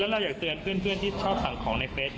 เราอยากเตือนเพื่อนที่ชอบสั่งของในเฟส